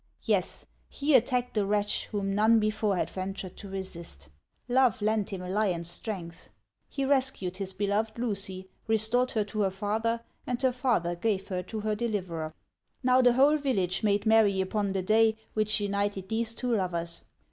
Yes, he attacked the wretch, whom none before had ventured to resist. Love lent him a lion's strength. He rescued his beloved Lucy, restored her to her father, and her father gave her to her deliverer. Now, the whole village made merry upon the day which united these two lovers.